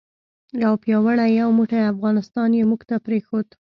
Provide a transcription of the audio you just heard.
یو پیاوړی یو موټی افغانستان یې موږ ته پرېښود.